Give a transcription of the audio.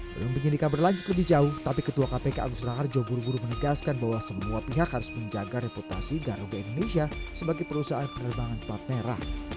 belum penyidikan berlanjut lebih jauh tapi ketua kpk agus raharjo buru buru menegaskan bahwa semua pihak harus menjaga reputasi garuda indonesia sebagai perusahaan penerbangan plat merah